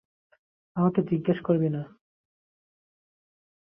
আমাকে জিজ্ঞেস করবি না।